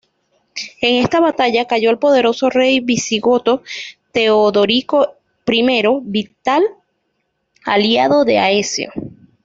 En esta batalla cayó el poderoso rey visigodo Teodorico I, vital aliado de Aecio.